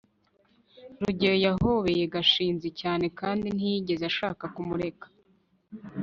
rugeyo yahobeye gashinzi cyane kandi ntiyigeze ashaka kumureka